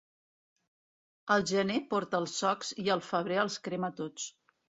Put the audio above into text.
El gener porta els socs i el febrer els crema tots.